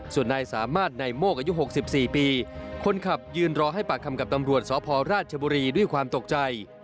ส่วนนายสามารถในโมกอายุ๖๔ปีคนขับยืนรอให้ปากคำกับตำรวจสพราชบุรีด้วยความตกใจ